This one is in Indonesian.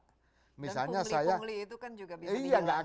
dan pungli pungli itu kan juga bisa dilacak